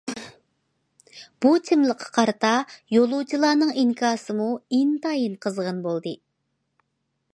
بۇ چىملىققا قارىتا يولۇچىلارنىڭ ئىنكاسىمۇ ئىنتايىن قىزغىن بولدى.